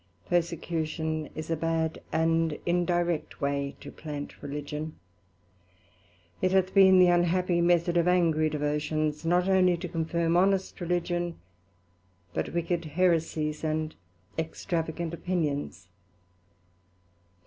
Persecution is a bad and indirect way to plant Religion: It hath been the unhappy method of angry Devotions, not only to confirm honest Religion, but wicked Heresies, and extravagant Opinions.